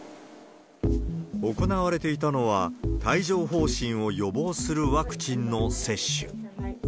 行われていたのは、帯状ほう疹を予防するワクチンの接種。